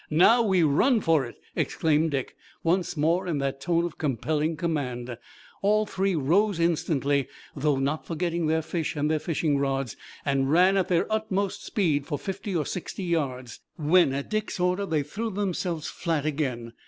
"Now we run for it!" exclaimed Dick, once more in that tone of compelling command. All three rose instantly, though not forgetting their fish and their fishing rods, and ran at their utmost speed for fifty or sixty yards, when at Dick's order they threw themselves flat again.